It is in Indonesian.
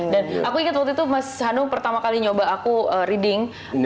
dan aku inget waktu itu mas hanu pertama kali nyoba aku reading